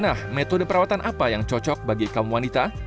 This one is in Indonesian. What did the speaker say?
nah metode perawatan apa yang cocok bagi kaum wanita